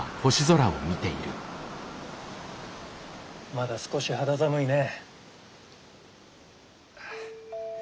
まだ少し肌寒いね。